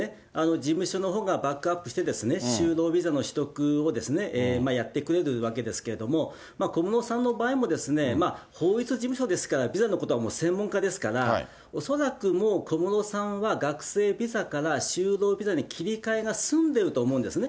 事務所のほうがバックアップして、就労ビザの取得をやってくれるわけですけれども、小室さんの場合も、法律事務所ですから、ビザのことは専門家ですから、恐らくもう小室さんは学生ビザから就労ビザに切り替えが済んでると思うんですね。